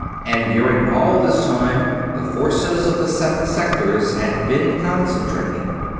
And during all this time the forces of the seven sectors had been concentrating.